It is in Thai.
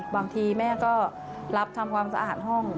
บางทีแม่ก็รับทำความสะอาดห้อง